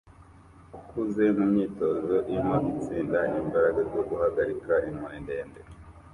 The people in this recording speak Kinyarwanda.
ukuze mumyitozo irimo itsinda-imbaraga zo guhagarika inkoni ndende